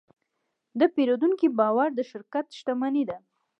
د پیرودونکي باور د شرکت شتمني ده.